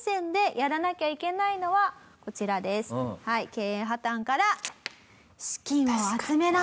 経営破綻から資金を集めなさいと。